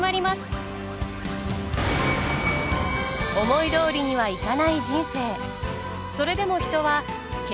思いどおりにはいかない人生。